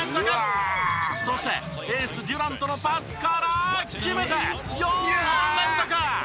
そしてエースデュラントのパスから決めて４本連続！